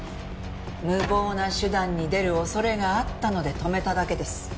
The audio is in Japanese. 無謀な手段に出る恐れがあったので止めただけです。